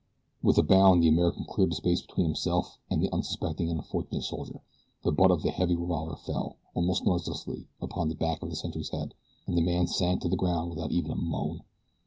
With a bound the American cleared the space between himself and the unsuspecting and unfortunate soldier. The butt of the heavy revolver fell, almost noiselessly, upon the back of the sentry's head, and the man sank to the ground without even a moan.